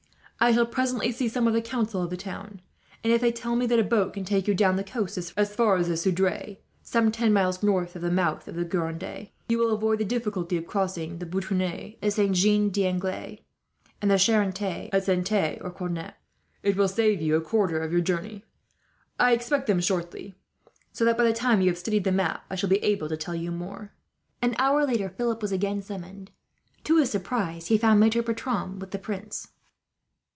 I shall presently see some of the council of the town and, if they tell me that a boat can take you down the coast as far as the Seudre, some ten miles north of the mouth of the Gironde, you will avoid the difficulty of crossing the Boutonne at Saint Jean d'Angely, and the Charente at Saintes or Cognac. It would save you a quarter of your journey. I expect them shortly, so that by the time you have studied the map, I shall be able to tell you more." An hour later, Philip was again summoned. To his surprise, he found Maitre Bertram with the prince.